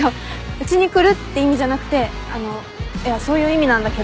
うちに来るって意味じゃなくてあのいやそういう意味なんだけど。